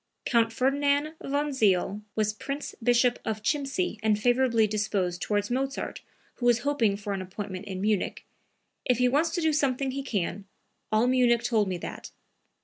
Count Ferdinand von Zeil was Prince Bishop of Chimsee and favorably disposed towards Mozart, who was hoping for an appointment in Munich. "If he wants to do something he can; all Munich told me that."